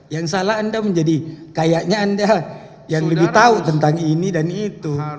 yang salah anda menjadi kayaknya anda yang lebih tahu tentang ini dan itu